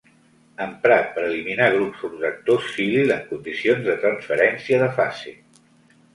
Emprat per eliminar grups protectors silil en condicions de transferència de fase.